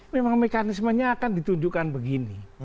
memang mekanismenya akan ditunjukkan begini